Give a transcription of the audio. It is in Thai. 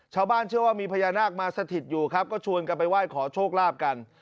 ชาวบ้านเชื่อว่ามีพญานาคมาสถิตอยู่ครับก็ชวนกันไปไหว้ขอโชคลาภกัน